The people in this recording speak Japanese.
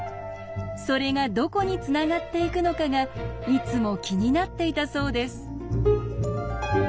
それがどこにつながっていくのかがいつも気になっていたそうです。